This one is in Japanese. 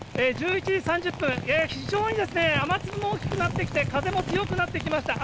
１１時３０分、非常に雨粒も大きくなってきて、風も強くなってきました。